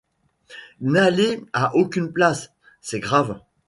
N’aller « à aucune place », c’est grave.